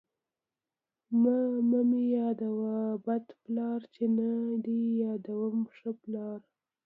ـ مه مې يادوه بد پلار، چې نه دې يادوم ښه پلار.